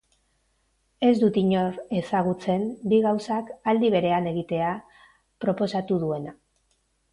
Ez dut inor ezagutzen bi gauzak aldi berean egitea proposatu duena.